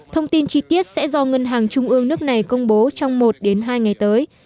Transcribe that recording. thông tin chi tiết sẽ do ngân hàng trung ương nước này công bố trong một hai ngày tới